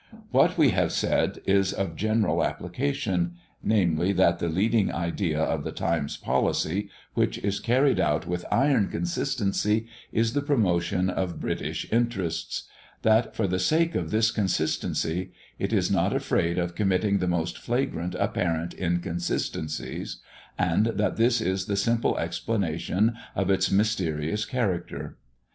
What we have said is of general application, namely, that the leading idea of the Times policy, which is carried out with an iron consistency, is the promotion of British interests; that for the sake of this consistency, it is not afraid of committing the most flagrant apparent inconsistencies, and that this is the simple explanation of its mysterious character.